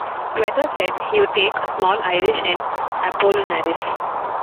Weathers said he would take a small Irish and Apollinaris.